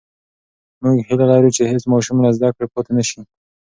موږ هیله لرو چې هېڅ ماشوم له زده کړې پاتې نسي.